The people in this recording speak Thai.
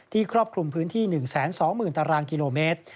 ครอบคลุมพื้นที่๑๒๐๐๐ตารางกิโลเมตร